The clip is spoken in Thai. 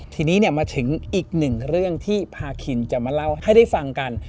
ทีนี้มาถึงอีกหนึ่งเรื่องที่พาคินจะมาเล่าให้ได้ฟังกัน